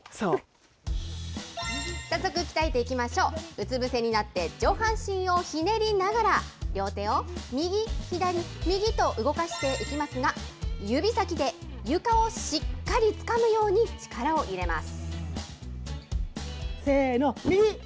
うつ伏せになって上半身をひねりながら、両手を右、左、右と動かしていきますが、指先で床をしっかりつかむように力を入れます。